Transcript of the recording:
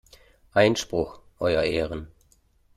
Einspruch, euer Ehren!